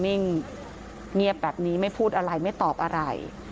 นิ่งเงียบแบบนี้ไม่พูดอะไรไม่ตอบอะไร